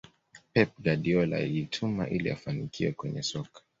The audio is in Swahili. pep guardiola alijituma ili afanikiwe kwenye soka